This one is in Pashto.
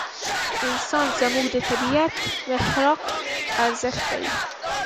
انسان زموږ د طبعیت د محراق ارزښت دی.